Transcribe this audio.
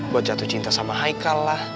buat jatuh cinta sama haikal lah